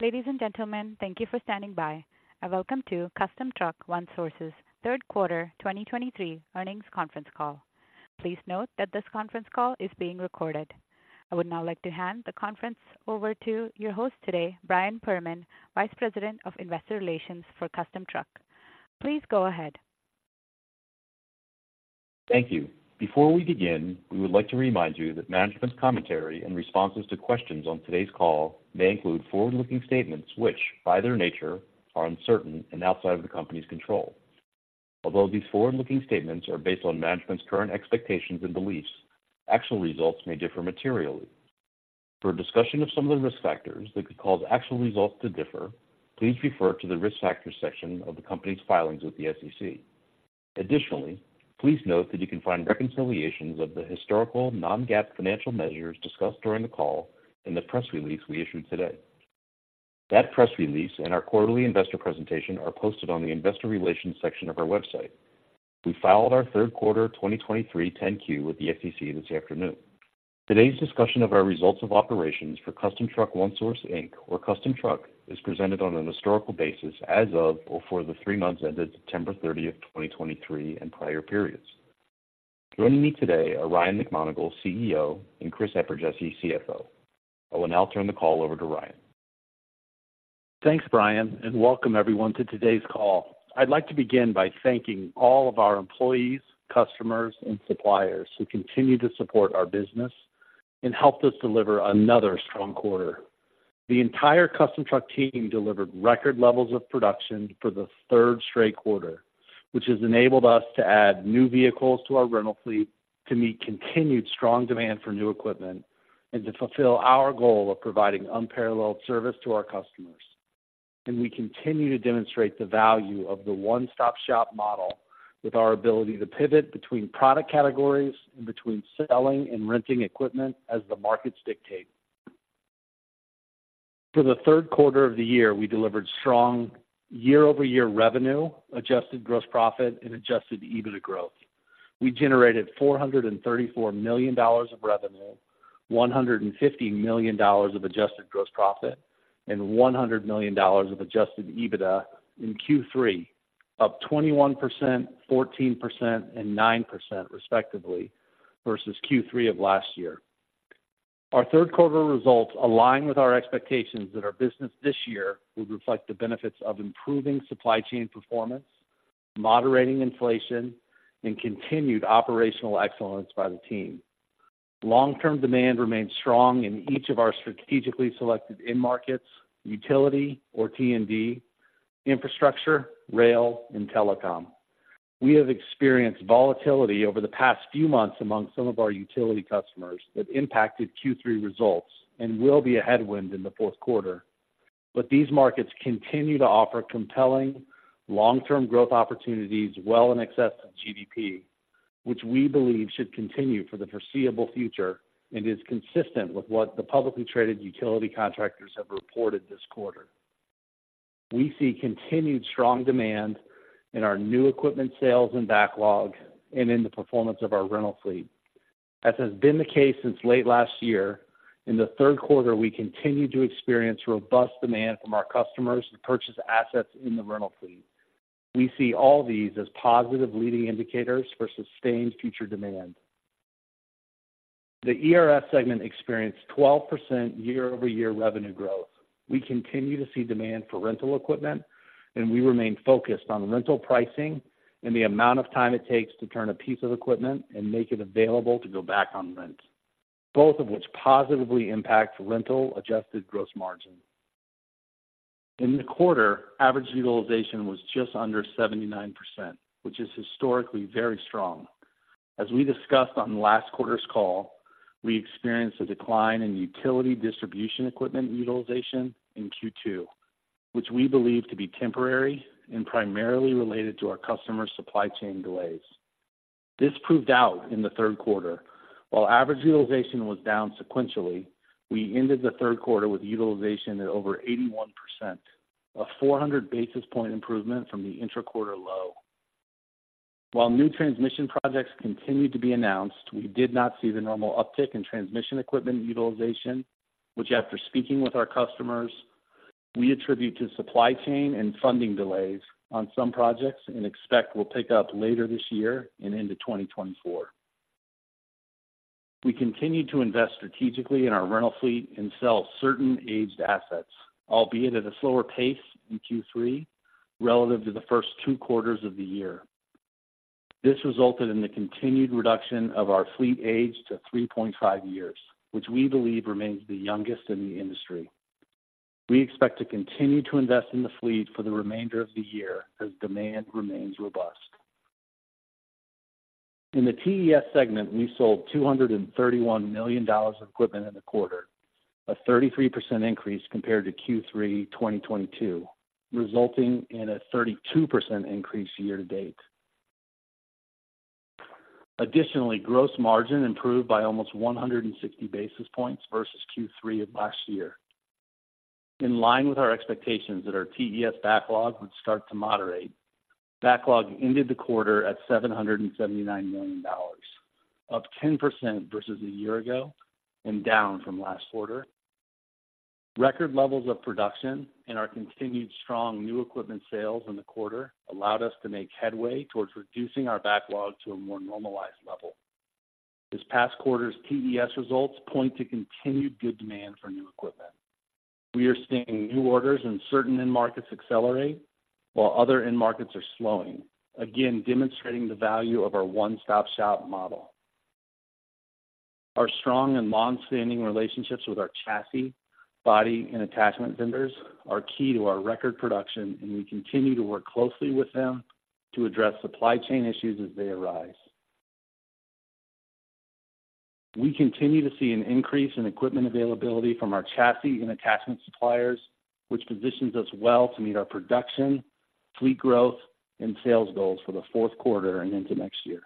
Ladies and gentlemen, thank you for standing by, and welcome to Custom Truck One Source's third quarter 2023 earnings conference call. Please note that this conference call is being recorded. I would now like to hand the conference over to your host today, Brian Perman, Vice President of Investor Relations for Custom Truck. Please go ahead. Thank you. Before we begin, we would like to remind you that management's commentary and responses to questions on today's call may include forward-looking statements which, by their nature, are uncertain and outside of the company's control. Although these forward-looking statements are based on management's current expectations and beliefs, actual results may differ materially. For a discussion of some of the risk factors that could cause actual results to differ, please refer to the risk factors section of the company's filings with the SEC. Additionally, please note that you can find reconciliations of the historical non-GAAP financial measures discussed during the call in the press release we issued today. That press release and our quarterly investor presentation are posted on the investor relations section of our website. We filed our third quarter 2023 10-Q with the SEC this afternoon. Today's discussion of our results of operations for Custom Truck One Source, Inc., or Custom Truck, is presented on an historical basis as of or for the three months ended September thirtieth, twenty twenty-three, and prior periods. Joining me today are Ryan McMonagle, CEO, and Chris Eperjesy, CFO. I will now turn the call over to Ryan. Thanks, Brian, and welcome everyone to today's call. I'd like to begin by thanking all of our employees, customers, and suppliers who continue to support our business and helped us deliver another strong quarter. The entire Custom Truck team delivered record levels of production for the third straight quarter, which has enabled us to add new vehicles to our rental fleet to meet continued strong demand for new equipment and to fulfill our goal of providing unparalleled service to our customers. We continue to demonstrate the value of the one-stop-shop model with our ability to pivot between product categories and between selling and renting equipment as the markets dictate. For the third quarter of the year, we delivered strong year-over-year revenue, adjusted gross profit, and Adjusted EBITDA growth. We generated $434 million of revenue, $150 million of adjusted gross profit, and $100 million of Adjusted EBITDA in Q3, up 21%, 14%, and 9% respectively versus Q3 of last year. Our third quarter results align with our expectations that our business this year will reflect the benefits of improving supply chain performance, moderating inflation, and continued operational excellence by the team. Long-term demand remains strong in each of our strategically selected end markets, utility or T&D, infrastructure, rail, and telecom. We have experienced volatility over the past few months among some of our utility customers that impacted Q3 results and will be a headwind in the fourth quarter. These markets continue to offer compelling long-term growth opportunities well in excess of GDP, which we believe should continue for the foreseeable future and is consistent with what the publicly traded utility contractors have reported this quarter. We see continued strong demand in our new equipment sales and backlog and in the performance of our rental fleet. As has been the case since late last year, in the third quarter, we continued to experience robust demand from our customers to purchase assets in the rental fleet. We see all these as positive leading indicators for sustained future demand. The ERS segment experienced 12% year-over-year revenue growth. We continue to see demand for rental equipment, and we remain focused on the rental pricing and the amount of time it takes to turn a piece of equipment and make it available to go back on rent, both of which positively impact rental adjusted gross margin. In the quarter, average utilization was just under 79%, which is historically very strong. As we discussed on last quarter's call, we experienced a decline in utility distribution equipment utilization in Q2, which we believe to be temporary and primarily related to our customer supply chain delays. This proved out in the third quarter. While average utilization was down sequentially, we ended the third quarter with utilization at over 81%, a 400 basis point improvement from the intra-quarter low. While new transmission projects continued to be announced, we did not see the normal uptick in transmission equipment utilization, which, after speaking with our customers, we attribute to supply chain and funding delays on some projects and expect will pick up later this year and into 2024. We continued to invest strategically in our rental fleet and sell certain aged assets, albeit at a slower pace in Q3 relative to the first two quarters of the year. This resulted in the continued reduction of our fleet age to 3.5 years, which we believe remains the youngest in the industry. We expect to continue to invest in the fleet for the remainder of the year as demand remains robust. In the TES segment, we sold $231 million of equipment in the quarter, a 33% increase compared to Q3 2022, resulting in a 32% increase year-to-date. Additionally, gross margin improved by almost 160 basis points versus Q3 of last year. In line with our expectations that our TES backlog would start to moderate, backlog ended the quarter at $779 million, up 10% versus a year ago and down from last quarter. Record levels of production and our continued strong new equipment sales in the quarter allowed us to make headway towards reducing our backlog to a more normalized level. This past quarter's TES results point to continued good demand for new equipment. We are seeing new orders in certain end markets accelerate, while other end markets are slowing, again demonstrating the value of our one-stop-shop model. Our strong and long-standing relationships with our chassis, body, and attachment vendors are key to our record production, and we continue to work closely with them to address supply chain issues as they arise. We continue to see an increase in equipment availability from our chassis and attachment suppliers, which positions us well to meet our production, fleet growth, and sales goals for the fourth quarter and into next year.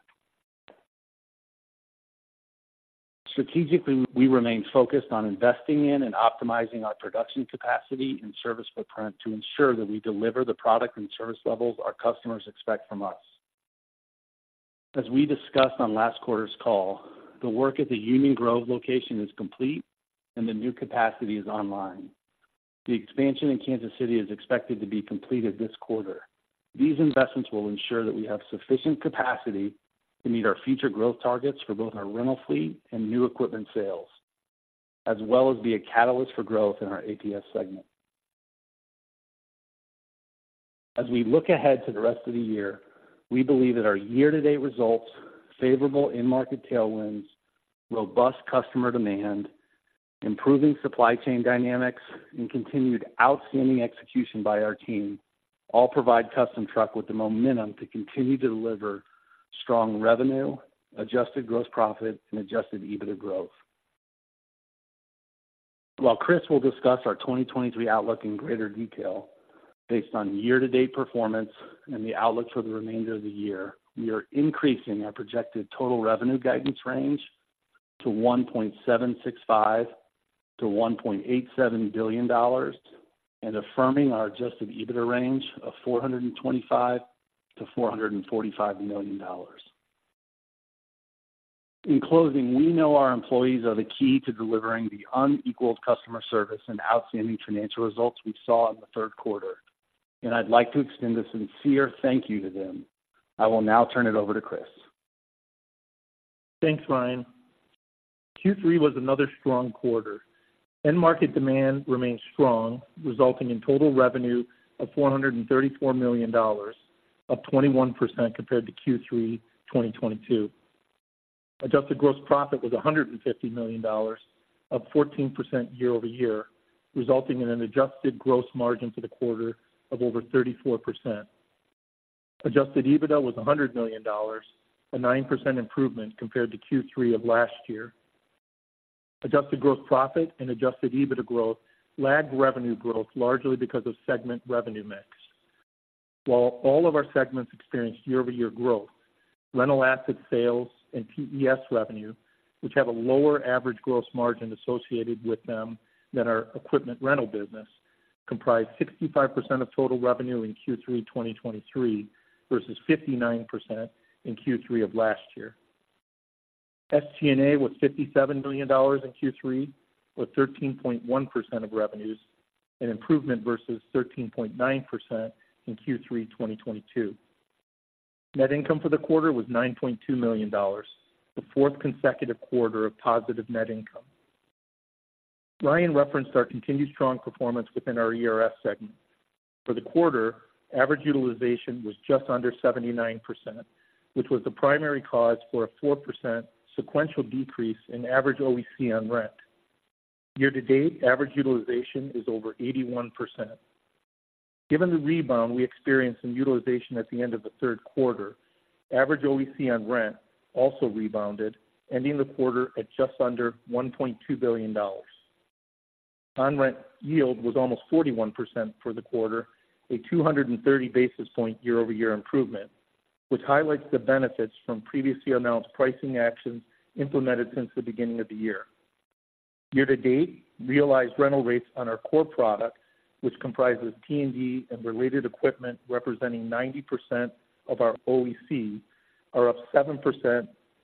Strategically, we remain focused on investing in and optimizing our production capacity and service footprint to ensure that we deliver the product and service levels our customers expect from us. As we discussed on last quarter's call, the work at the Union Grove location is complete and the new capacity is online. The expansion in Kansas City is expected to be completed this quarter. These investments will ensure that we have sufficient capacity to meet our future growth targets for both our rental fleet and new equipment sales, as well as be a catalyst for growth in our APS segment. As we look ahead to the rest of the year, we believe that our year-to-date results, favorable end market tailwinds, robust customer demand, improving supply chain dynamics, and continued outstanding execution by our team all provide Custom Truck with the momentum to continue to deliver strong revenue, Adjusted Gross Profit and Adjusted EBITDA growth. While Chris will discuss our 2023 outlook in greater detail, based on year-to-date performance and the outlook for the remainder of the year, we are increasing our projected total revenue guidance range to $1.765 billion-$1.87 billion, and affirming our Adjusted EBITDA range of $425 million-$445 million. In closing, we know our employees are the key to delivering the unequaled customer service and outstanding financial results we saw in the third quarter, and I'd like to extend a sincere thank you to them. I will now turn it over to Chris. Thanks, Ryan. Q3 was another strong quarter. End market demand remains strong, resulting in total revenue of $434 million, up 21% compared to Q3 2022. Adjusted Gross Profit was $150 million, up 14% year-over-year, resulting in an adjusted gross margin for the quarter of over 34%. Adjusted EBITDA was $100 million, a 9% improvement compared to Q3 of last year. Adjusted Gross Profit and Adjusted EBITDA growth lagged revenue growth largely because of segment revenue mix. While all of our segments experienced year-over-year growth, rental asset sales and TES revenue, which have a lower average gross margin associated with them than our equipment rental business, comprised 65% of total revenue in Q3 2023, versus 59% in Q3 of last year. SG&A was $57 million in Q3, or 13.1% of revenues, an improvement versus 13.9% in Q3 2022. Net income for the quarter was $9.2 million, the fourth consecutive quarter of positive net income. Ryan referenced our continued strong performance within our ERS segment. For the quarter, average utilization was just under 79%, which was the primary cause for a 4% sequential decrease in average OEC on rent. Year-to-date, average utilization is over 81%. Given the rebound we experienced in utilization at the end of the third quarter, average OEC on rent also rebounded, ending the quarter at just under $1.2 billion. On-rent yield was almost 41% for the quarter, a 230 basis point year-over-year improvement, which highlights the benefits from previously announced pricing actions implemented since the beginning of the year. Year-to-date, realized rental rates on our core products, which comprises T&D and related equipment, representing 90% of our OEC, are up 7%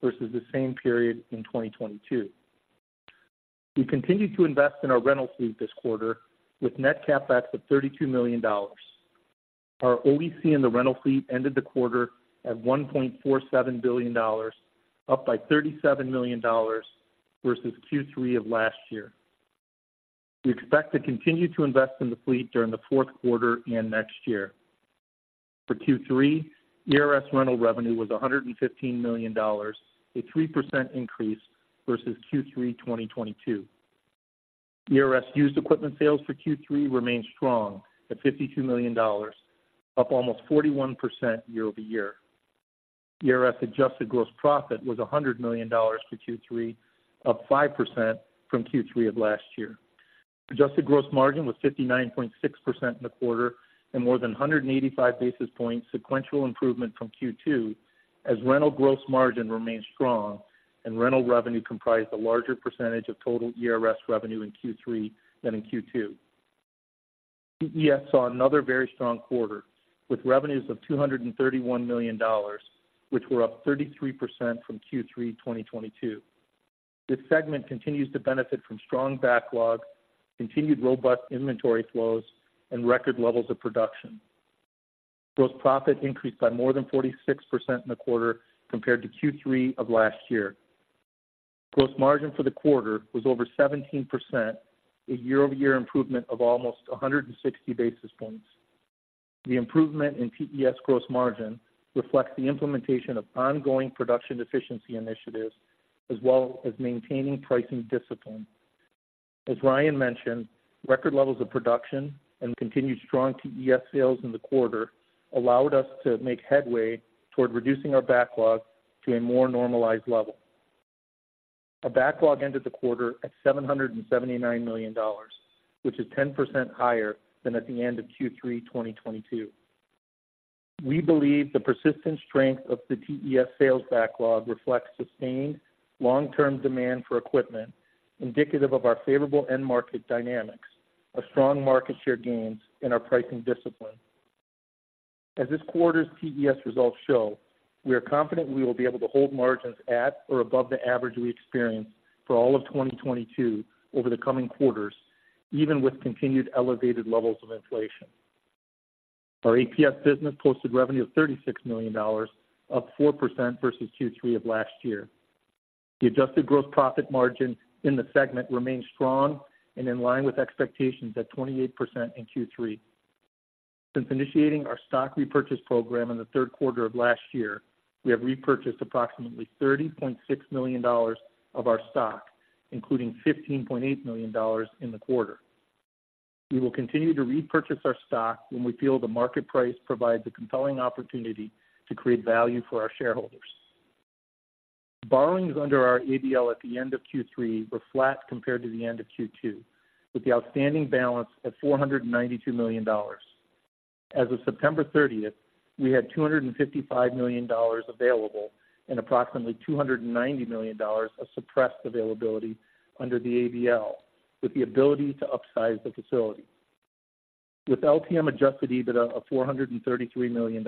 versus the same period in 2022. We continued to invest in our rental fleet this quarter with net CapEx of $32 million. Our OEC in the rental fleet ended the quarter at $1.47 billion, up by $37 million versus Q3 of last year. We expect to continue to invest in the fleet during the fourth quarter and next year. For Q3, ERS rental revenue was $115 million, a 3% increase versus Q3 2022. ERS used equipment sales for Q3 remained strong at $52 million, up almost 41% year-over-year. ERS Adjusted Gross Profit was $100 million for Q3, up 5% from Q3 of last year. Adjusted gross margin was 59.6% in the quarter and more than 185 basis points sequential improvement from Q2 as rental gross margin remained strong and rental revenue comprised a larger percentage of total ERS revenue in Q3 than in Q2. TES saw another very strong quarter, with revenues of $231 million, which were up 33% from Q3 2022. This segment continues to benefit from strong backlog, continued robust inventory flows, and record levels of production. Gross profit increased by more than 46% in the quarter compared to Q3 of last year. Gross margin for the quarter was over 17%, a year-over-year improvement of almost 160 basis points. The improvement in TES gross margin reflects the implementation of ongoing production efficiency initiatives, as well as maintaining pricing discipline. As Ryan mentioned, record levels of production and continued strong TES sales in the quarter allowed us to make headway toward reducing our backlog to a more normalized level. Our backlog ended the quarter at $779 million, which is 10% higher than at the end of Q3 2022. We believe the persistent strength of the TES sales backlog reflects sustained long-term demand for equipment, indicative of our favorable end market dynamics, a strong market share gains, and our pricing discipline. As this quarter's TES results show, we are confident we will be able to hold margins at or above the average we experienced for all of 2022 over the coming quarters, even with continued elevated levels of inflation. Our APS business posted revenue of $36 million, up 4% versus Q3 of last year. The Adjusted Gross Profit margin in the segment remains strong and in line with expectations at 28% in Q3. Since initiating our stock repurchase program in the third quarter of last year, we have repurchased approximately $30.6 million of our stock, including $15.8 million in the quarter. We will continue to repurchase our stock when we feel the market price provides a compelling opportunity to create value for our shareholders. Borrowings under our ABL at the end of Q3 were flat compared to the end of Q2, with the outstanding balance at $492 million. As of September 30, we had $255 million available and approximately $290 million of suppressed availability under the ABL, with the ability to upsize the facility. With LTM adjusted EBITDA of $433 million,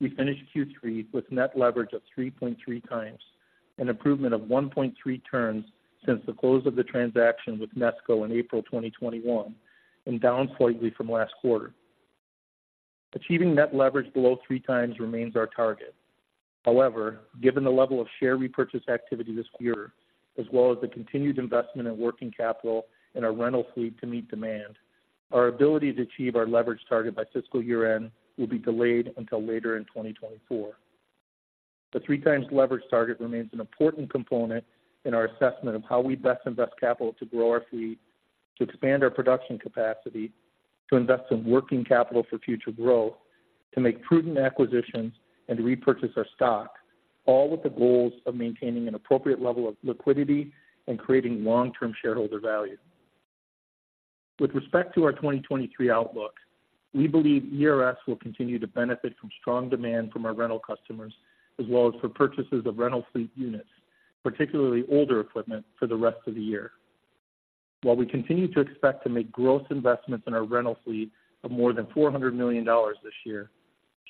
we finished Q3 with net leverage of 3.3x, an improvement of 1.3 turns since the close of the transaction with Nesco in April 2021, and down slightly from last quarter. Achieving net leverage below 3x remains our target. However, given the level of share repurchase activity this year, as well as the continued investment in working capital and our rental fleet to meet demand, our ability to achieve our leverage target by fiscal year-end will be delayed until later in 2024. The 3x leverage target remains an important component in our assessment of how we best invest capital to grow our fleet, to expand our production capacity, to invest in working capital for future growth, to make prudent acquisitions and to repurchase our stock, all with the goals of maintaining an appropriate level of liquidity and creating long-term shareholder value. With respect to our 2023 outlook, we believe ERS will continue to benefit from strong demand from our rental customers, as well as for purchases of rental fleet units, particularly older equipment, for the rest of the year. While we continue to expect to make gross investments in our rental fleet of more than $400 million this year,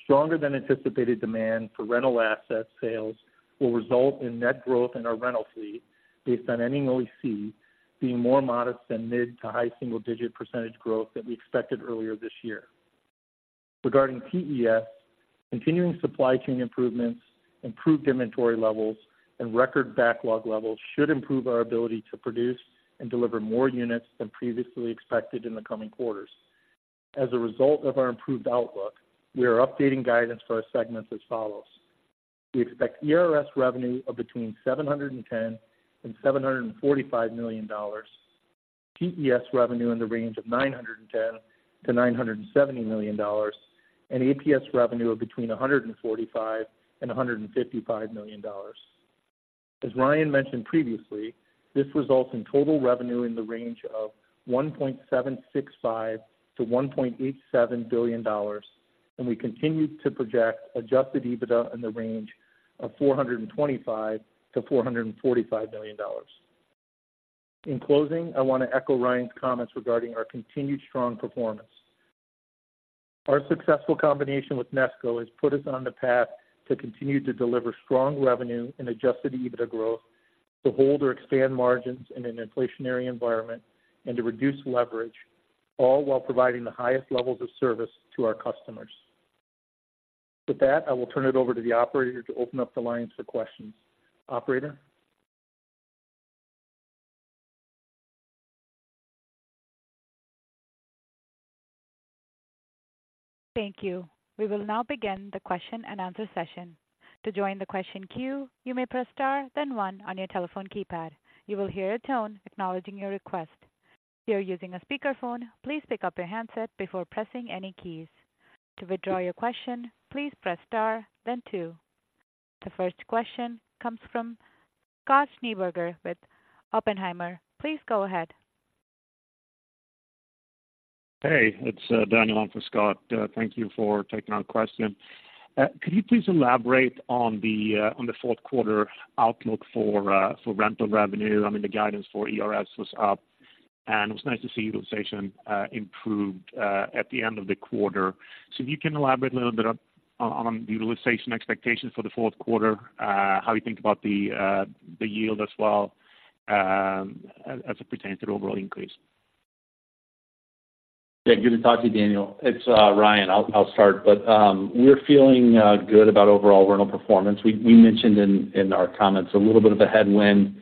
stronger than anticipated demand for rental asset sales will result in net growth in our rental fleet based on ending OEC being more modest than mid- to high single-digit percentage growth that we expected earlier this year. Regarding TES, continuing supply chain improvements, improved inventory levels, and record backlog levels should improve our ability to produce and deliver more units than previously expected in the coming quarters. As a result of our improved outlook, we are updating guidance for our segments as follows: We expect ERS revenue of between $710 million and $745 million, TES revenue in the range of $910 million-$970 million, and APS revenue of between $145 million and $155 million. As Ryan mentioned previously, this results in total revenue in the range of $1.765 billion-$1.87 billion, and we continue to project Adjusted EBITDA in the range of $425 million-$445 million. In closing, I want to echo Ryan's comments regarding our continued strong performance. Our successful combination with Nesco has put us on the path to continue to deliver strong revenue and Adjusted EBITDA growth, to hold or expand margins in an inflationary environment and to reduce leverage, all while providing the highest levels of service to our customers. With that, I will turn it over to the operator to open up the lines for questions. Operator? Thank you. We will now begin the question and answer session. To join the question queue, you may press star, then one on your telephone keypad. You will hear a tone acknowledging your request. If you are using a speakerphone, please pick up your handset before pressing any keys. To withdraw your question, please press star, then two. The first question comes from Scott Schneeberger with Oppenheimer. Please go ahead. Hey, it's Daniel on for Scott. Thank you for taking our question. Could you please elaborate on the fourth quarter outlook for rental revenue? I mean, the guidance for ERS was up, and it was nice to see utilization improved at the end of the quarter. So if you can elaborate a little bit on the utilization expectations for the fourth quarter, how you think about the yield as well, as it pertains to the overall increase? Yeah. Good to talk to you, Daniel. It's Ryan. I'll start. But we're feeling good about overall rental performance. We mentioned in our comments a little bit of a headwind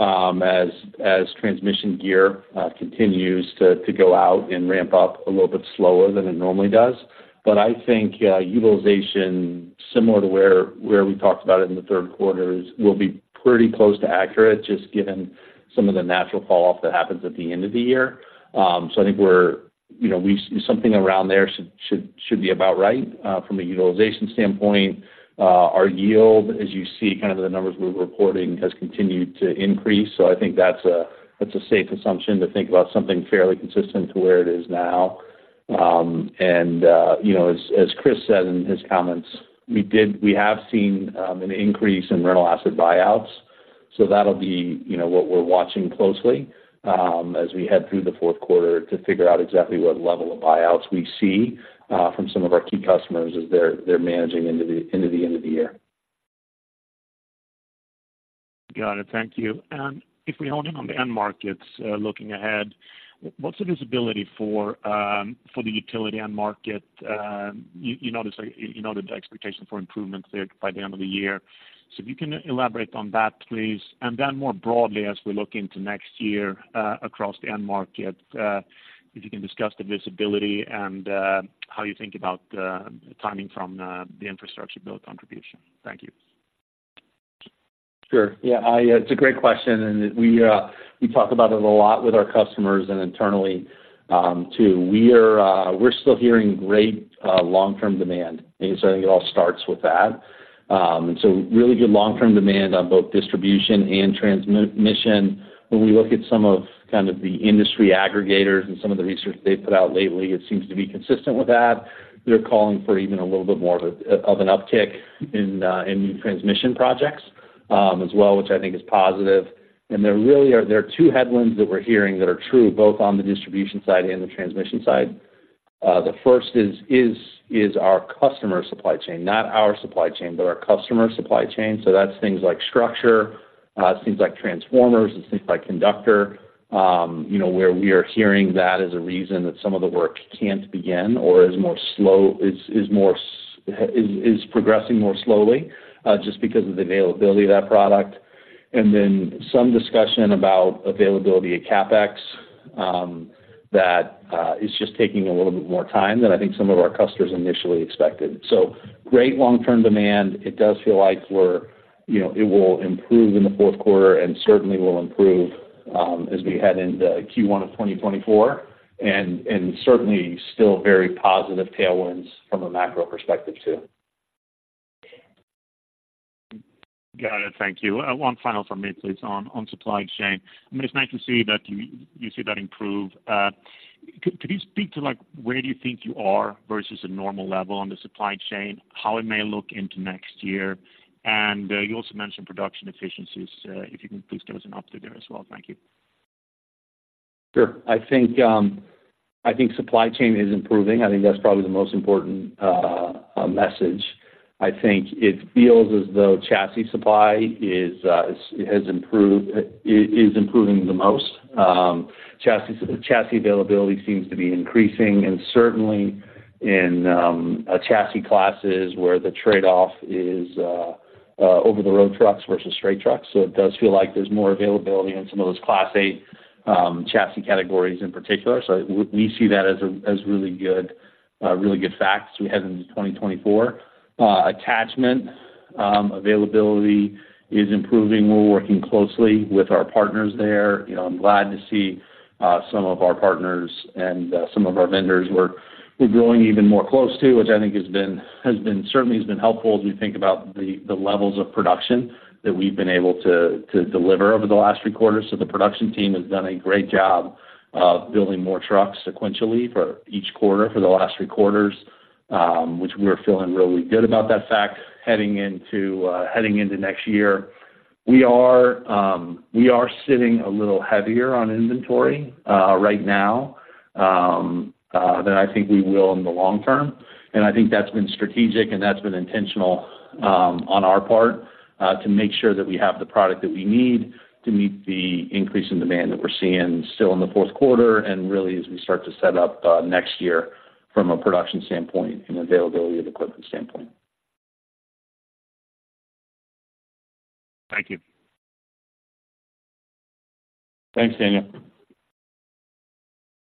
as transmission gear continues to go out and ramp up a little bit slower than it normally does. But I think utilization, similar to where we talked about it in the third quarter, will be pretty close to accurate, just given some of the natural fall off that happens at the end of the year. So I think we're, you know, something around there should be about right from a utilization standpoint. Our yield, as you see, kind of, the numbers we're reporting, has continued to increase. So I think that's a safe assumption, to think about something fairly consistent to where it is now. And you know, as Chris said in his comments, we have seen an increase in rental asset buyouts. So that'll be, you know, what we're watching closely, as we head through the fourth quarter, to figure out exactly what level of buyouts we see from some of our key customers as they're managing into the end of the year. Got it. Thank you. And if we hone in on the end markets, looking ahead, what's the visibility for, for the utility end market? You noted the expectation for improvements there by the end of the year. So if you can elaborate on that, please. And then more broadly, as we look into next year, across the end market, if you can discuss the visibility and how you think about the timing from the infrastructure build contribution. Thank you. Sure. Yeah, it's a great question, and we, we talk about it a lot with our customers and internally, too. We are, we're still hearing great, long-term demand. And so I think it all starts with that. So really good long-term demand on both distribution and transmission. When we look at some of, kind of, the industry aggregators and some of the research they've put out lately, it seems to be consistent with that. They're calling for even a little bit more of an uptick in, in transmission projects, as well, which I think is positive. And there really are, there are two headwinds that we're hearing that are true, both on the distribution side and the transmission side. The first is our customer supply chain, not our supply chain, but our customer supply chain. So that's things like structure, things like transformers, and things like conductor, you know, where we are hearing that as a reason that some of the work can't begin or is progressing more slowly, just because of the availability of that product. And then some discussion about availability of CapEx, that is just taking a little bit more time than I think some of our customers initially expected. So great long-term demand. It does feel like we're, you know, it will improve in the fourth quarter and certainly will improve, as we head into Q1 of 2024, and certainly still very positive tailwinds from a macro perspective, too. Got it. Thank you. One final from me, please, on supply chain. I mean, it's nice to see that you see that improve. Could you speak to, like, where do you think you are versus a normal level on the supply chain, how it may look into next year? And you also mentioned production efficiencies. If you can please give us an update there as well. Thank you. Sure. I think, I think supply chain is improving. I think that's probably the most important message. I think it feels as though chassis supply is improving the most. Chassis availability seems to be increasing, and certainly in chassis classes, where the trade-off is over-the-road trucks versus straight trucks. So it does feel like there's more availability in some of those Class 8 chassis categories in particular. So we see that as really good facts as we head into 2024. Attachment availability is improving. We're working closely with our partners there. You know, I'm glad to see some of our partners and some of our vendors we're growing even more close to, which I think has been certainly helpful as we think about the levels of production that we've been able to deliver over the last three quarters. So the production team has done a great job of building more trucks sequentially for each quarter, for the last three quarters, which we're feeling really good about that fact heading into next year. We are sitting a little heavier on inventory right now than I think we will in the long term. And I think that's been strategic, and that's been intentional, on our part, to make sure that we have the product that we need to meet the increase in demand that we're seeing still in the fourth quarter, and really as we start to set up, next year from a production standpoint and availability of equipment standpoint. Thank you. Thanks, Daniel.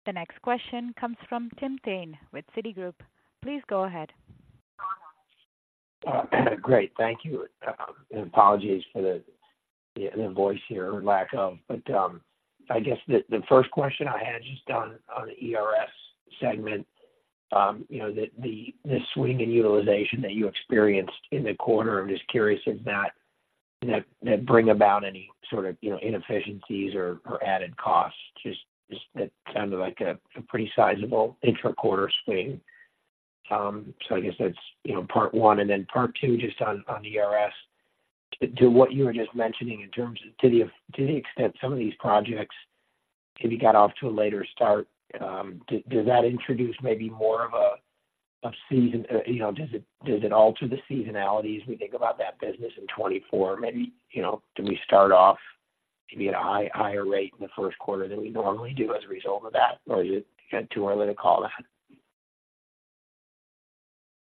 The next question comes from Tim Thein with Citigroup. Please go ahead. Great. Thank you. Apologies for the voice here, or lack of. But, I guess the first question I had just on the ERS segment, you know, the swing in utilization that you experienced in the quarter, I'm just curious if that that bring about any sort of, you know, inefficiencies or added costs? Just, it sounded like a pretty sizable intra-quarter swing. So I guess that's, you know, part one, and then part two, just on ERS. To what you were just mentioning in terms of, to the extent some of these projects maybe got off to a later start, does that introduce maybe more of a seasonality, you know, does it alter the seasonality as we think about that business in 2024? Maybe, you know, do we start off maybe at a higher rate in the first quarter than we normally do as a result of that? Or is it, kind of, too early to call that?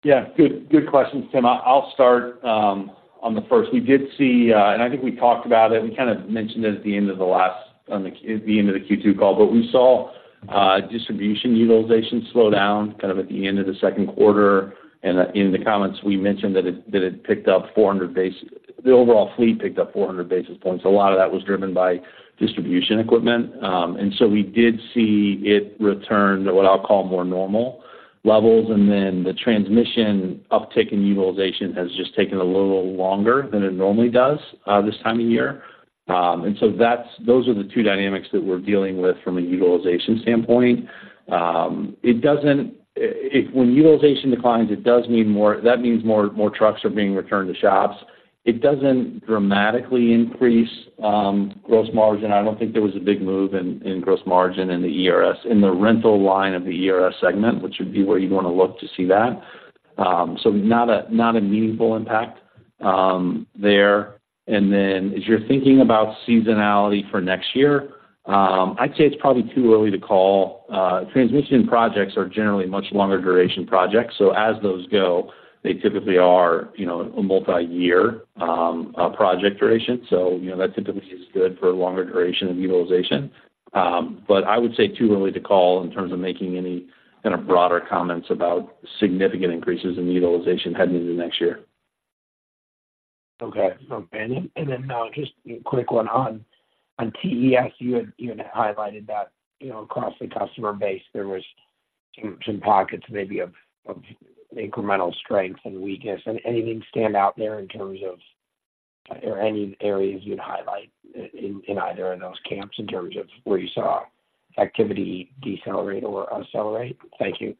Yeah, good, good question, Tim. I'll start on the first. We did see, and I think we talked about it, we kind of mentioned it at the end of the last, on the, the end of the Q2 call. But we saw distribution utilization slow down kind of at the end of the second quarter. And, in the comments, we mentioned that it, that it picked up 400 basis points. The overall fleet picked up 400 basis points. A lot of that was driven by distribution equipment. And so we did see it return to what I'll call more normal levels. And then the transmission uptick in utilization has just taken a little longer than it normally does, this time of year. And so that's, those are the two dynamics that we're dealing with from a utilization standpoint. It doesn't, when utilization declines, it does mean more, that means more, more trucks are being returned to shops. It doesn't dramatically increase gross margin. I don't think there was a big move in, in gross margin in the ERS, in the rental line of the ERS segment, which would be where you'd want to look to see that. So not a, not a meaningful impact there. And then, as you're thinking about seasonality for next year, I'd say it's probably too early to call. Transmission projects are generally much longer duration projects, so as those go, they typically are, you know, a multiyear project duration. So, you know, that typically is good for a longer duration of utilization. But I would say too early to call in terms of making any kind of broader comments about significant increases in utilization heading into next year. Okay. And then, just a quick one on TES. You had highlighted that, you know, across the customer base, there was some pockets maybe of incremental strength and weakness. And anything stand out there in terms of, or any areas you'd highlight in either of those camps, in terms of where you saw activity decelerate or accelerate? Thank you.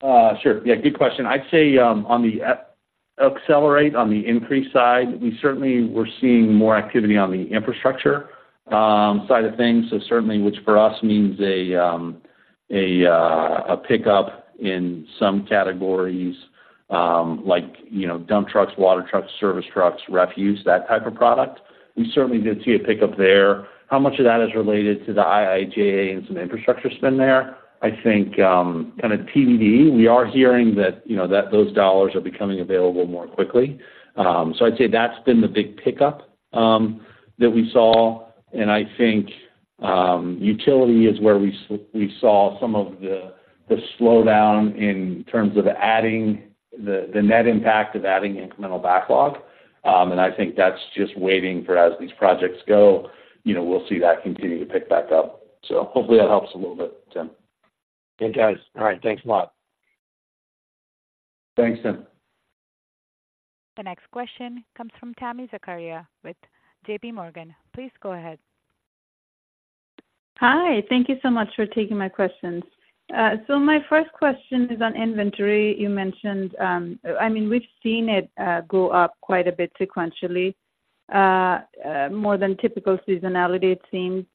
Sure. Yeah, good question. I'd say, on the acceleration, on the increase side, we certainly were seeing more activity on the infrastructure side of things. So certainly, which for us means a pickup in some categories, like, you know, dump trucks, water trucks, service trucks, refuse, that type of product. We certainly did see a pickup there. How much of that is related to the IIJA and some infrastructure spend there? I think, kind of TBD. We are hearing that, you know, that those dollars are becoming available more quickly. So I'd say that's been the big pickup that we saw. And I think, utility is where we saw some of the slowdown in terms of adding the net impact of adding incremental backlog. I think that's just waiting for as these projects go, you know, we'll see that continue to pick back up. So hopefully that helps a little bit, Tim. Okay, guys. All right. Thanks a lot. Thanks, Tim. The next question comes from Tami Zakaria with J.P. Morgan. Please go ahead. Hi. Thank you so much for taking my questions. So my first question is on inventory. You mentioned, I mean, we've seen it go up quite a bit sequentially, more than typical seasonality, it seems.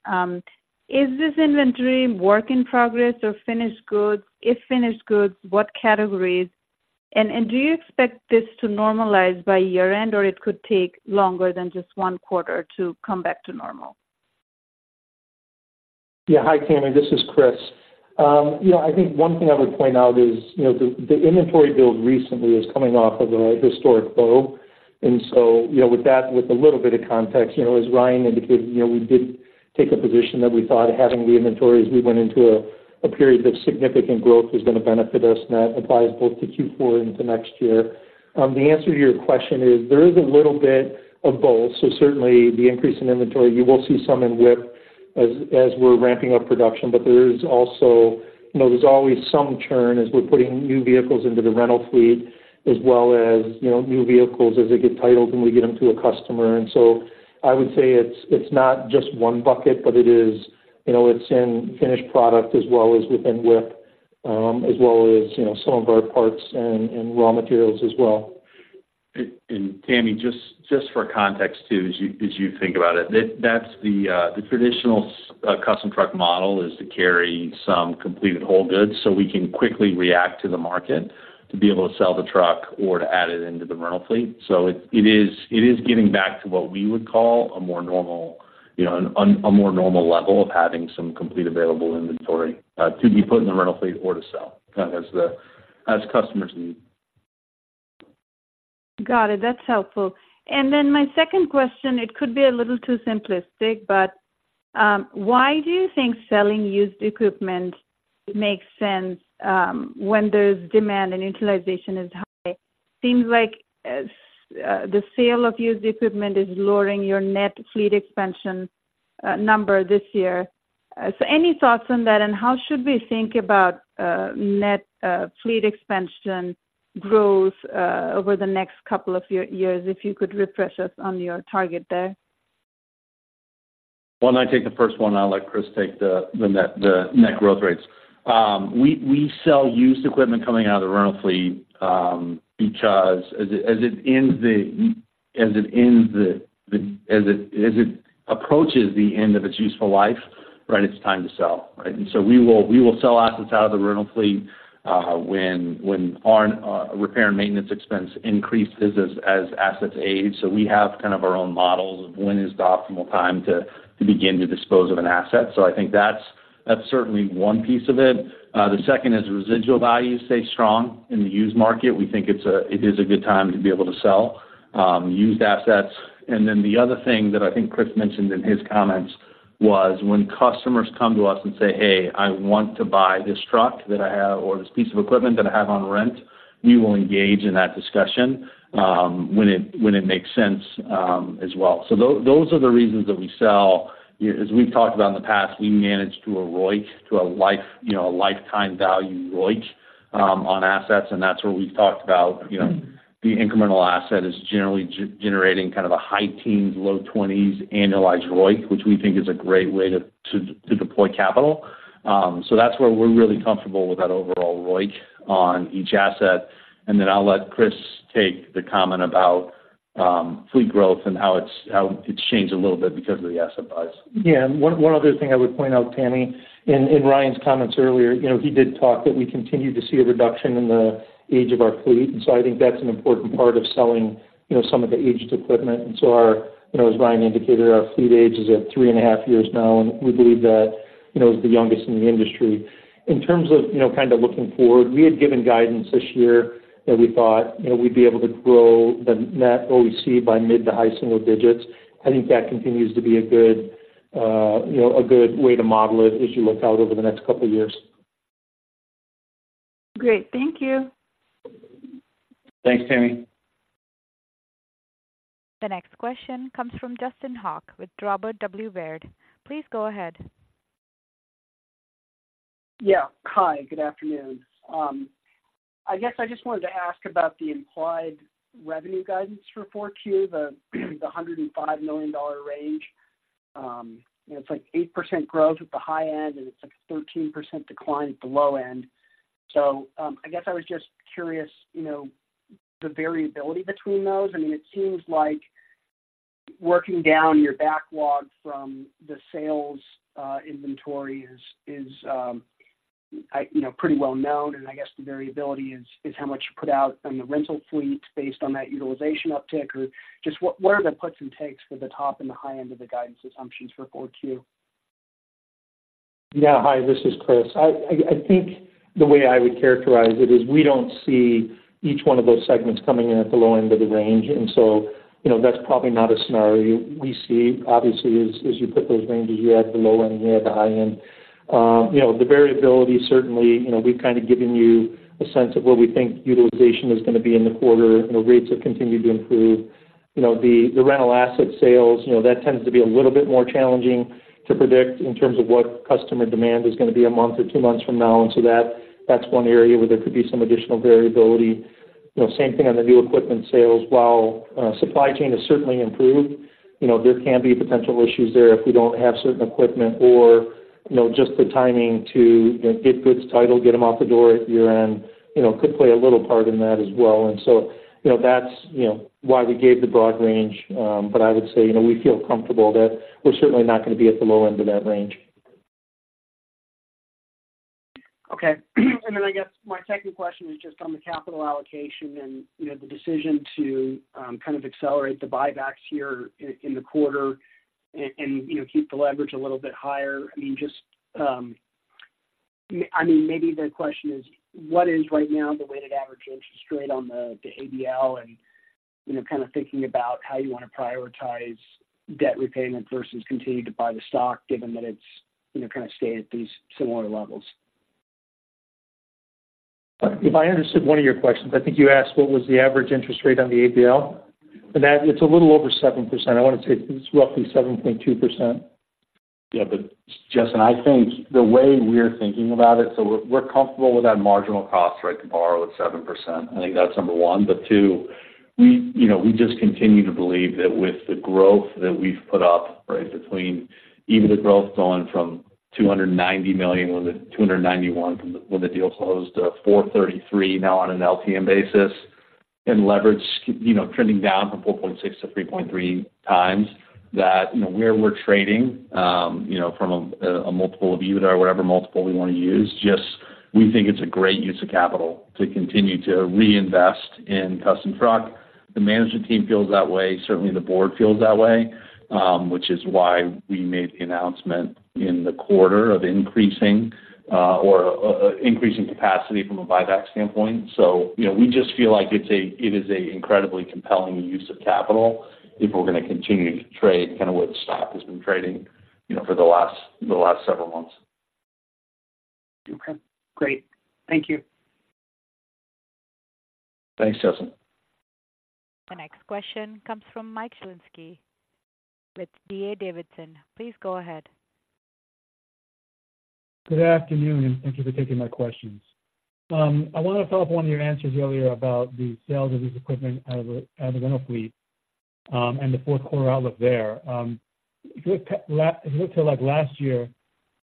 Is this inventory work in progress or finished goods? If finished goods, what categories? And do you expect this to normalize by year-end, or it could take longer than just one quarter to come back to normal? Yeah. Hi, Tami, this is Chris. You know, I think one thing I would point out is, you know, the inventory build recently is coming off of a historic low. And so, you know, with that, with a little bit of context, you know, as Ryan indicated, you know, we did take a position that we thought having the inventory as we went into a period of significant growth was going to benefit us, and that applies both to Q4 into next year. The answer to your question is, there is a little bit of both. So certainly, the increase in inventory, you will see some in WIP as we're ramping up production. But there is also, you know, there's always some churn as we're putting new vehicles into the rental fleet, as well as, you know, new vehicles as they get titled, and we get them to a customer. And so I would say it's not just one bucket, but it is, you know, it's in finished product as well as within WIP, as well as, you know, some of our parts and raw materials as well. Tami, just for context too, as you think about it, that's the traditional custom truck model, to carry some completed whole goods, so we can quickly react to the market to be able to sell the truck or to add it into the rental fleet. So it is getting back to what we would call a more normal, you know, a more normal level of having some complete available inventory to be put in the rental fleet or to sell as customers need. Got it. That's helpful. And then my second question, it could be a little too simplistic, but, why do you think selling used equipment makes sense, when there's demand and utilization is high? Seems like, the sale of used equipment is lowering your net fleet expansion, number this year. So any thoughts on that? And how should we think about, net, fleet expansion growth, over the next couple of year, years, if you could refresh us on your target there? Well, I take the first one, I'll let Chris take the net growth rates. We sell used equipment coming out of the rental fleet, because as it approaches the end of its useful life, right? It's time to sell, right? And so we will sell assets out of the rental fleet, when our repair and maintenance expense increases as assets age. So we have kind of our own models of when is the optimal time to begin to dispose of an asset. So I think that's certainly one piece of it. The second is residual values stay strong in the used market. We think it is a good time to be able to sell used assets. And then the other thing that I think Chris mentioned in his comments was when customers come to us and say, "Hey, I want to buy this truck that I have or this piece of equipment that I have on rent," we will engage in that discussion when it makes sense, as well. So those are the reasons that we sell. As we've talked about in the past, we manage to a ROIC, to a life, you know, a lifetime value ROIC on assets, and that's where we've talked about, you know, the incremental asset is generally generating kind of a high teens, low twenties annualized ROIC, which we think is a great way to deploy capital. So that's where we're really comfortable with that overall ROIC on each asset. And then I'll let Chris take the comment about fleet growth and how it's changed a little bit because of the asset buys. Yeah, and one other thing I would point out, Tami, in Ryan's comments earlier, you know, he did talk that we continue to see a reduction in the age of our fleet. And so I think that's an important part of selling, you know, some of the aged equipment. And so our, you know, as Ryan indicated, our fleet age is at 3.5 years now, and we believe that, you know, is the youngest in the industry. In terms of, you know, kind of looking forward, we had given guidance this year that we thought, you know, we'd be able to grow the net OEC by mid to high single digits. I think that continues to be a good, you know, a good way to model it as you look out over the next couple of years. Great. Thank you. Thanks, Tami. The next question comes from Justin Hauke with Robert W. Baird. Please go ahead. Yeah. Hi, good afternoon. I guess I just wanted to ask about the implied revenue guidance for Q4, the $105 million range. It's like 8% growth at the high end, and it's like 13% decline at the low end. So, I guess I was just curious, you know, the variability between those. I mean, it seems like working down your backlog from the sales inventory is, you know, pretty well known, and I guess the variability is how much you put out on the rental fleet based on that utilization uptick, or just what are the puts and takes for the top and the high end of the guidance assumptions for Q4? Yeah. Hi, this is Chris. I think the way I would characterize it is we don't see each one of those segments coming in at the low end of the range, and so, you know, that's probably not a scenario we see. Obviously, as you put those ranges, you add the low end, you add the high end. You know, the variability, certainly, you know, we've kind of given you a sense of where we think utilization is gonna be in the quarter, you know, rates have continued to improve. You know, the rental asset sales, you know, that tends to be a little bit more challenging to predict in terms of what customer demand is gonna be a month or two months from now, and so that, that's one area where there could be some additional variability. You know, same thing on the new equipment sales. While supply chain has certainly improved, you know, there can be potential issues there if we don't have certain equipment or, you know, just the timing to, you know, get goods titled, get them out the door at year-end, you know, could play a little part in that as well. And so, you know, that's, you know, why we gave the broad range, but I would say, you know, we feel comfortable that we're certainly not gonna be at the low end of that range. Okay. And then I guess my second question is just on the capital allocation and, you know, the decision to kind of accelerate the buybacks here in the quarter and, you know, keep the leverage a little bit higher. I mean, just, I mean, maybe the question is: What is right now the weighted average interest rate on the ABL? And, you know, kind of thinking about how you want to prioritize debt repayment versus continue to buy the stock, given that it's, you know, kind of stayed at these similar levels. If I understood one of your questions, I think you asked what was the average interest rate on the ABL? And that, it's a little over 7%. I want to say it's roughly 7.2%. Yeah, but Justin, I think the way we're thinking about it, so we're comfortable with that marginal cost, right, to borrow at 7%. I think that's number one. But two, we, you know, we just continue to believe that with the growth that we've put up, right, between even the growth going from $290 million when the deal closed to $433 million now on an LTM basis, and leverage, you know, trending down from 4.6x to 3.3x, that, you know, where we're trading, you know, from a multiple of EBITDA or whatever multiple we want to use, just we think it's a great use of capital to continue to reinvest in custom truck. The management team feels that way. Certainly, the board feels that way, which is why we made the announcement in the quarter of increasing, or increasing capacity from a buyback standpoint. So, you know, we just feel like it's it is a incredibly compelling use of capital if we're gonna continue to trade kind of what the stock has been trading, you know, for the last, the last several months. Okay, great. Thank you. Thanks, Justin. The next question comes from Mike Shlisky with D.A. Davidson. Please go ahead. Good afternoon, and thank you for taking my questions. I wanted to follow up on one of your answers earlier about the sale of the equipment out of the rental fleet, and the fourth quarter outlook there. If you look to, like, last year,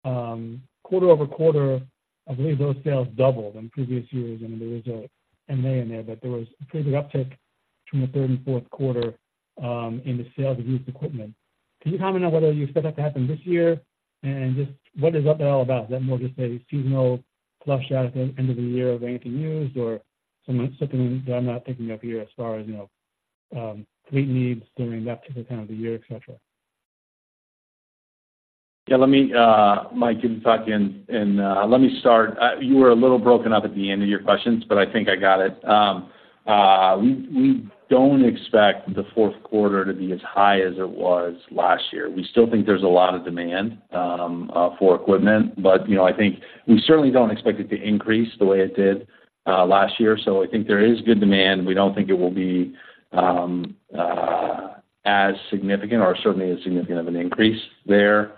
quarter-over-quarter, I believe those sales doubled in previous years, and there was a M&A in there, but there was a pretty big uptick from the third and fourth quarter, in the sale of used equipment. Can you comment on whether you expect that to happen this year? And just what is that all about? Is that more just a seasonal flush out at the end of the year of anything used or something, something that I'm not thinking of here as far as, you know, fleet needs during that particular time of the year, et cetera? Yeah, let me, Mike, you can talk in, and let me start. You were a little broken up at the end of your questions, but I think I got it. We don't expect the fourth quarter to be as high as it was last year. We still think there's a lot of demand for equipment, but, you know, I think we certainly don't expect it to increase the way it did last year. So I think there is good demand. We don't think it will be as significant or certainly as significant of an increase there.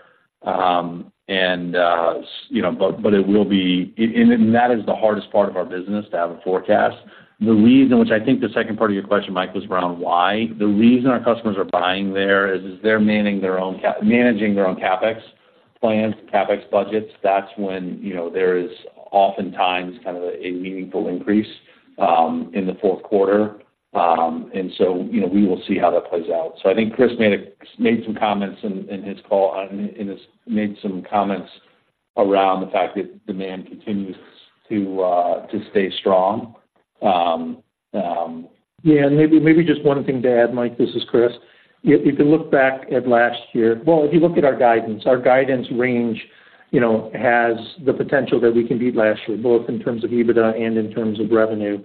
You know, but it will be -- And that is the hardest part of our business, to have a forecast. The reason which I think the second part of your question, Mike, was around why? The reason our customers are buying there is they're manning their own managing their own CapEx plans, CapEx budgets. That's when, you know, there is oftentimes kind of a meaningful increase in the fourth quarter. And so, you know, we will see how that plays out. So I think Chris made some comments in his call on made some comments around the fact that demand continues to stay strong. Yeah, maybe, maybe just one thing to add, Mike, this is Chris. If you look back at last year... Well, if you look at our guidance, our guidance range, you know, has the potential that we can beat last year, both in terms of EBITDA and in terms of revenue.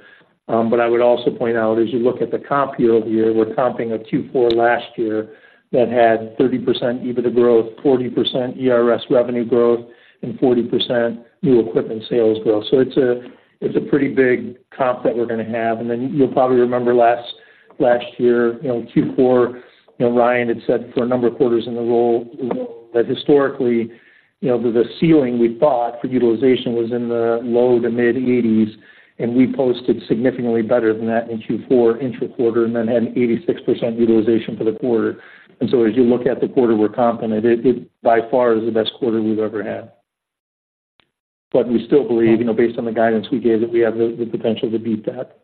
But I would also point out, as you look at the comp year-over-year, we're comping a Q4 last year that had 30% EBITDA growth, 40% ERS revenue growth, and 40% new equipment sales growth. So it's a, it's a pretty big comp that we're going to have. Then you'll probably remember last year, you know, Q4, you know, Ryan had said for a number of quarters in a row, that historically, you know, the ceiling we thought for utilization was in the low- to mid-80s%, and we posted significantly better than that in Q4 intraquarter and then had 86% utilization for the quarter. So as you look at the quarter, we're comping it. It, by far, is the best quarter we've ever had. But we still believe, you know, based on the guidance we gave, that we have the potential to beat that.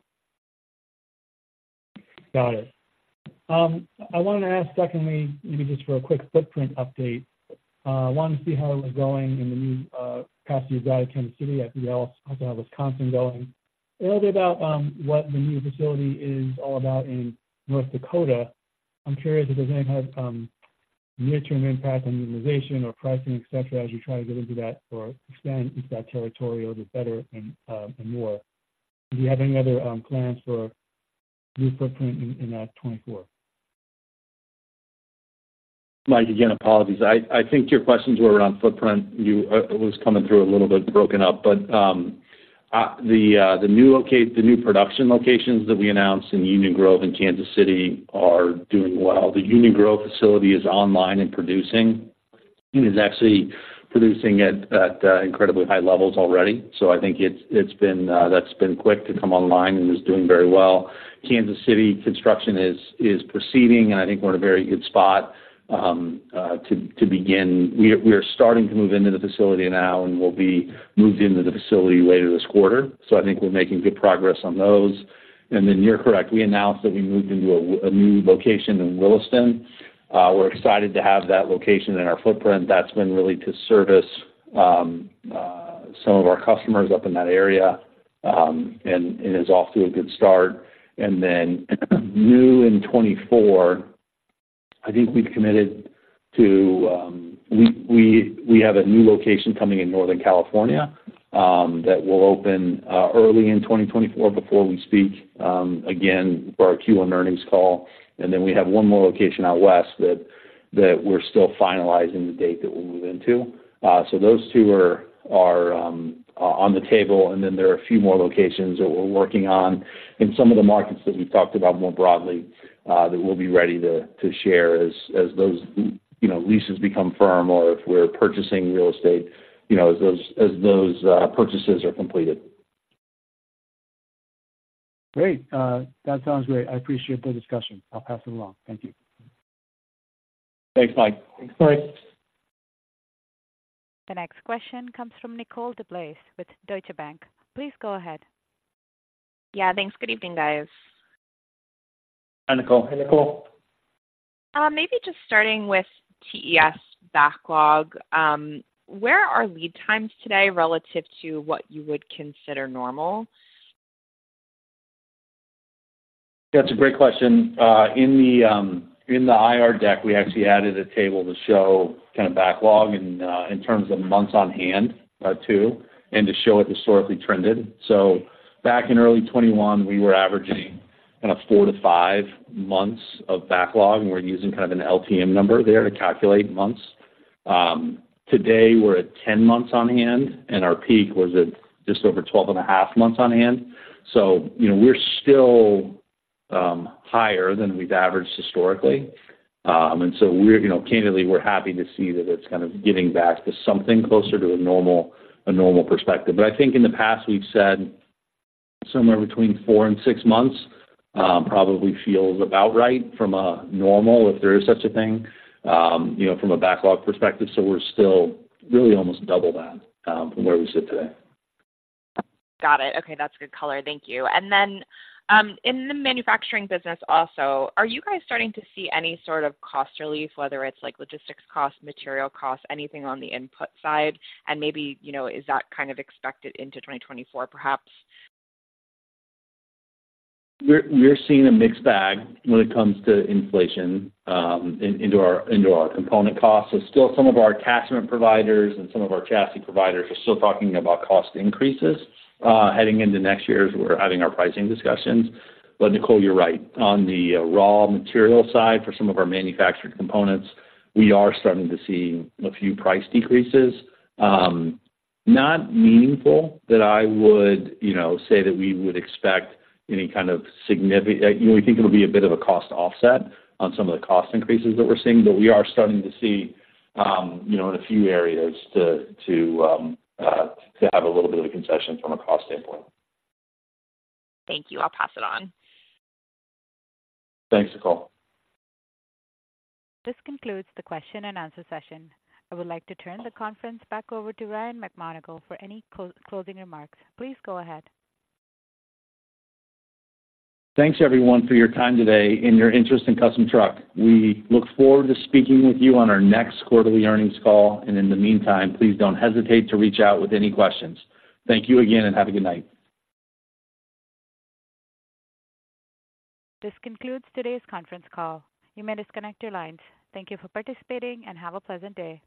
Got it. I wanted to ask, secondly, maybe just for a quick footprint update. I wanted to see how it was going in the new capacity of Kansas City, as well as how Wisconsin going. A little bit about what the new facility is all about in North Dakota. I'm curious if there's any kind of near-term impact on utilization or pricing, et cetera, as you try to get into that or expand into that territory a little bit better and more. Do you have any other plans for new footprint in 2024? Mike, again, apologies. I think your questions were around footprint. You, it was coming through a little bit broken up, but the new production locations that we announced in Union Grove and Kansas City are doing well. The Union Grove facility is online and producing. It is actually producing at incredibly high levels already, so I think it's been, that's been quick to come online and is doing very well. Kansas City construction is proceeding, and I think we're in a very good spot to begin. We are starting to move into the facility now, and we'll be moved into the facility later this quarter. So I think we're making good progress on those. And then you're correct, we announced that we moved into a new location in Williston. We're excited to have that location in our footprint. That's been really to service some of our customers up in that area, and is off to a good start. And then, new in 2024, I think we've committed to, we have a new location coming in Northern California, that will open early in 2024, before we speak again, for our Q1 earnings call. And then we have one more location out west that we're still finalizing the date that we'll move into. So those two are on the table, and then there are a few more locations that we're working on in some of the markets that we've talked about more broadly, that we'll be ready to share as those, you know, leases become firm or if we're purchasing real estate, you know, as those purchases are completed. Great. That sounds great. I appreciate the discussion. I'll pass it along. Thank you. Thanks, Mike. Thanks, Mike. The next question comes from Nicole DeBlase with Deutsche Bank. Please go ahead. Yeah, thanks. Good evening, guys. Hi, Nicole. Hey, Nicole. Maybe just starting with TES backlog, where are lead times today relative to what you would consider normal? That's a great question. In the IR deck, we actually added a table to show kind of backlog and, in terms of months on hand, too, and to show it historically trended. So back in early 2021, we were averaging kind of 4-5 months of backlog, and we're using kind of an LTM number there to calculate months. Today, we're at 10 months on hand, and our peak was at just over 12.5 months on hand. So, you know, we're still higher than we've averaged historically. And so we're, you know, candidly, we're happy to see that it's kind of getting back to something closer to a normal perspective. I think in the past we've said somewhere between 4 and 6 months, probably feels about right from a normal, if there is such a thing, you know, from a backlog perspective. We're still really almost double that, from where we sit today. Got it. Okay, that's good color. Thank you. And then, in the manufacturing business also, are you guys starting to see any sort of cost relief, whether it's like logistics costs, material costs, anything on the input side? And maybe, you know, is that kind of expected into 2024, perhaps? We're seeing a mixed bag when it comes to inflation into our component costs. So still some of our component providers and some of our chassis providers are still talking about cost increases heading into next year, as we're having our pricing discussions. But Nicole, you're right. On the raw material side for some of our manufactured components, we are starting to see a few price decreases. Not meaningful, that I would, you know, say that we would expect any kind of significant. You know, we think it'll be a bit of a cost offset on some of the cost increases that we're seeing, but we are starting to see, you know, in a few areas to have a little bit of a concession from a cost standpoint. Thank you. I'll pass it on. Thanks, Nicole. This concludes the question and answer session. I would like to turn the conference back over to Ryan McMonagle for any closing remarks. Please go ahead. Thanks, everyone, for your time today and your interest in Custom Truck. We look forward to speaking with you on our next quarterly earnings call, and in the meantime, please don't hesitate to reach out with any questions. Thank you again, and have a good night. This concludes today's conference call. You may disconnect your lines. Thank you for participating, and have a pleasant day.